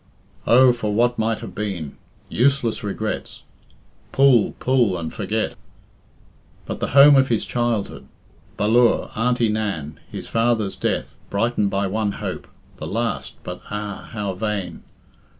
Oh, for what might have been! Useless regrets! Pull, pull, and forget. But the home of his childhood! Ballure Auntie Nan his father's death brightened by one hope the last, but ah! how vain!